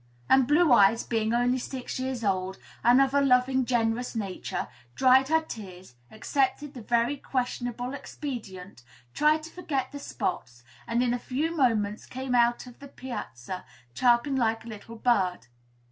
And Blue Eyes, being only six years old, and of a loving, generous nature, dried her tears, accepted the very questionable expedient, tried to forget the spots, and in a few moments came out on the piazza, chirping like a little bird.